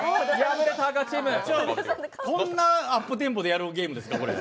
こんなアップテンポでやるゲームですか、これ。